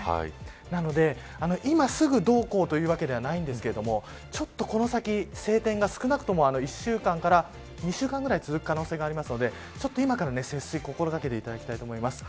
なので、今すぐどうこうというわけではないんですがちょっとこの先晴天が少なくとも１週間から２週間ぐらい続く可能性があるので今から節水を心掛けていただきたいと思います。